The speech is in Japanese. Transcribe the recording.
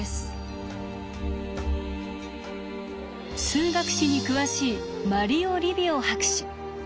数学史に詳しいマリオ・リヴィオ博士。